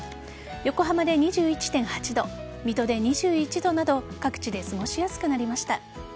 横浜で２１．８度水戸で２１度など各地で過ごしやすくなりました。